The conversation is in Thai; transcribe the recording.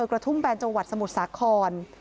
โรยกระทุ่มแปนเจาะวัดสมุทรสาคร